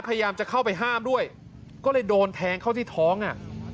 พยายามจะเข้าไปห้ามด้วยก็เลยโดนแทงเข้าที่ท้องอ่ะ